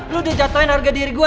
lu udah jatohin harga diri gua